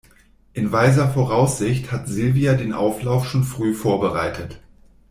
In weiser Voraussicht hat Silvia den Auflauf schon früh vorbereitet.